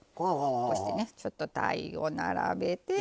こうしてねちょっとたいを並べて。